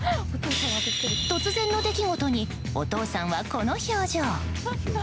突然の出来事にお父さんはこの表情。